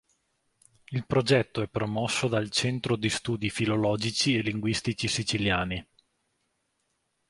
Il progetto è promosso dal Centro di studi filologici e linguistici siciliani.